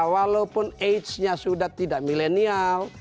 walaupun aidsnya sudah tidak milenial